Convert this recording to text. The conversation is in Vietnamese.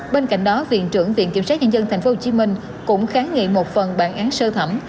bên cạnh đó viện trưởng viện kiểm sát nhân dân tp hcm cũng kháng nghị một phần bản án sơ thẩm